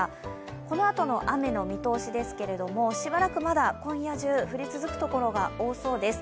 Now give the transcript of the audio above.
このあとの雨の見通しですけれども、しばらくまだ今夜中降り続くところが多そうです。